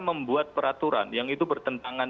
membuat peraturan yang itu bertentangan